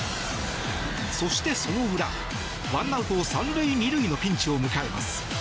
そして、その裏１アウト３塁２塁のピンチを迎えます。